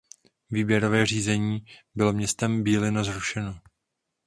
Výběrové řízení bylo městem Bílina zrušeno.